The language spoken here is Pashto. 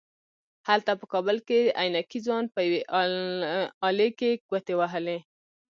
هلته په کابل کې عينکي ځوان په يوې آلې کې ګوتې وهلې.